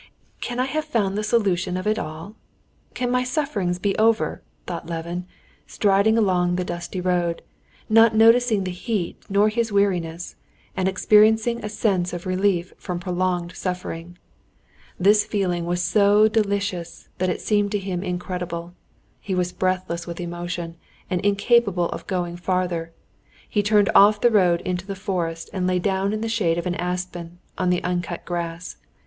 "Can I have found the solution of it all? can my sufferings be over?" thought Levin, striding along the dusty road, not noticing the heat nor his weariness, and experiencing a sense of relief from prolonged suffering. This feeling was so delicious that it seemed to him incredible. He was breathless with emotion and incapable of going farther; he turned off the road into the forest and lay down in the shade of an aspen on the uncut grass.